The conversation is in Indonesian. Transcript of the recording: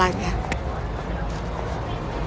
dan dia menemukan kepalanya